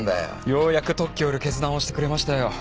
ようやく特許を売る決断をしてくれましたよ。